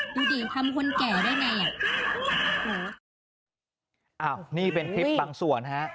ตีดี่ทำคนแก่ได้ไหมอ่ะนี่เป็นคลิปบางส่วนฮะ